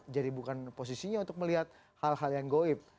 jadi bukan posisinya untuk melihat hal hal yang goib